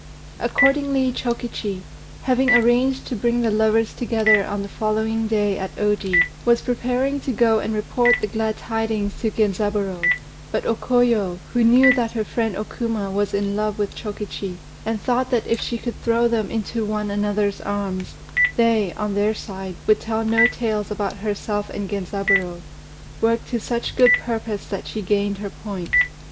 Accordingly Chokichi, having arranged to bring the lovers together on the following day at Oji, was preparing to go and report the glad tidings to Genzaburô; but O Koyo, who knew that her friend O Kuma was in love with Chokichi, and thought that if she could throw them into one another's arms, they, on their side, would tell no tales about herself and Genzaburô, worked to such good purpose that she gained her point.